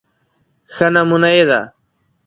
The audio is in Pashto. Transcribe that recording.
ښه نمونه يې د